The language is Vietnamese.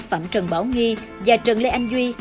phạm trần bảo nghi và trần lê anh duy